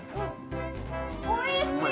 おいしい！